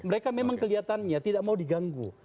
mereka memang kelihatannya tidak mau diganggu